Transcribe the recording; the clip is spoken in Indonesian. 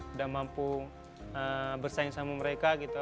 sudah mampu bersaing sama mereka gitu